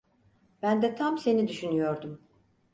Ben de tam seni düşünüyordum.